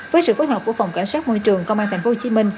với sự phối hợp của phòng cảnh sát môi trường công an tp hcm